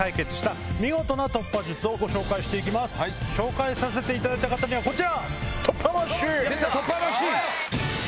紹介させていただいた方にはこちら！